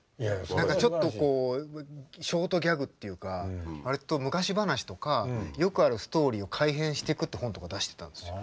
何かちょっとこうショートギャグっていうか割と昔話とかよくあるストーリーを改編していくって本とか出してたんですよ。